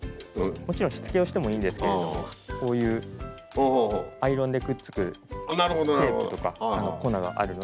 もちろんしつけをしてもいいんですけれどこういうアイロンでくっつくテープとか粉があるので。